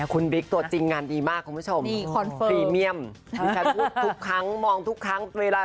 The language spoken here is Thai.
เชื่อไม่กลัวว่าเล่นจะเป็นเรื่องจริงนะ